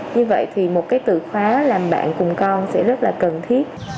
như vậy thì một cái từ khóa làm bạn cùng con sẽ rất là cần thiết